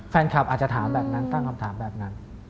แฟนคลับอาจจะถามแบบนั้นตั้งคำถามแบบนั้น